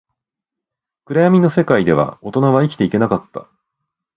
暗闇の世界では、大人は生きていけなかった